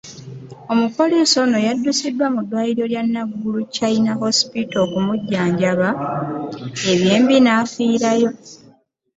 Omupoliisi ono yaddusiddwa mu ddwaliro lya Naguru China Hospital okumujjanjaba, ebyembi n’afiirayo.